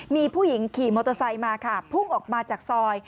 มีผู้หญิงขี่มอเตอร์ไซค์มาค่ะพุ่งออกมาจากซอย